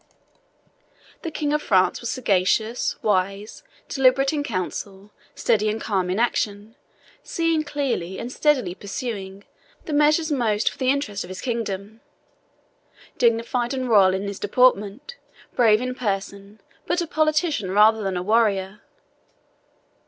The King of France was sagacious, wise, deliberate in council, steady and calm in action, seeing clearly, and steadily pursuing, the measures most for the interest of his kingdom dignified and royal in his deportment, brave in person, but a politician rather than a warrior.